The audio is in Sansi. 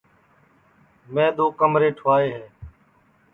میں دؔو کمرے ٹُھوائے ہے